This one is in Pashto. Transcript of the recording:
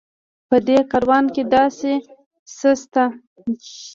په دې کاروان کې داسې څه شته.